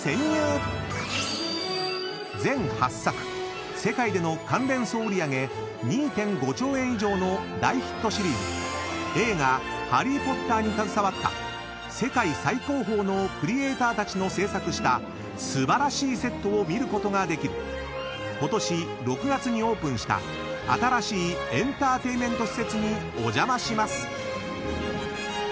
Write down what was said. ［全８作世界での関連総売り上げ２．５兆円以上の大ヒットシリーズ映画『ハリー・ポッター』に携わった世界最高峰のクリエーターたちの制作した素晴らしいセットを見ることができることし６月にオープンした新しいエンターテインメント施設にお邪魔します］